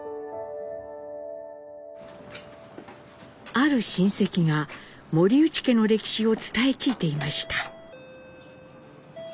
ある親戚が森内家の歴史を伝え聞いていました。